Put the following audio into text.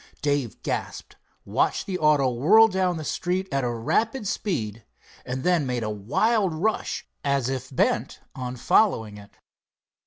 Dave gasped, watched the auto whirl down the street at rapid speed, and then made a wild rush as if bent on following it.